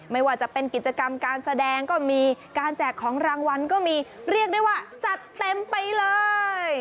ไม่ว่าจะเป็นกิจกรรมการแสดงก็มีการแจกของรางวัลก็มีเรียกได้ว่าจัดเต็มไปเลย